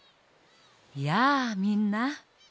やあみんな。